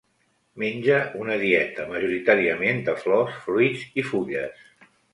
Menja una dieta majoritàriament de flors, fruits i fulles.